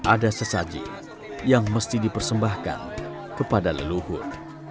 ada sesaji yang mesti dipersembahkan kepada leluhur